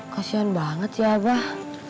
kasian banget sih abah